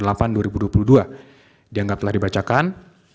dianggap telah dibacakan